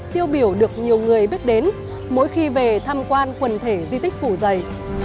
tiêu biểu được nhiều người biết đến mỗi khi về tham quan quần thể di tích phủ giày